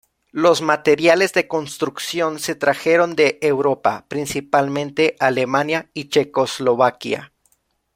Los materiales de construcción se trajeron de Europa, principalmente Alemania y Checoslovaquia.